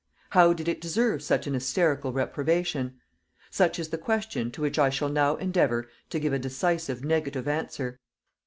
How did it deserve such an hysterical reprobation? Such is the question to which I shall now endeavour to give a decisive negative answer.